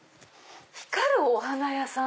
光るお花屋さん？